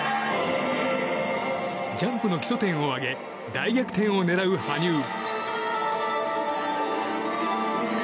ジャンプの基礎点を上げ大逆転を狙う羽生。